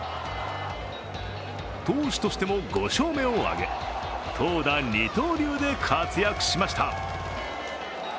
投手としても５勝目を挙げ、投打二刀流で活躍しました。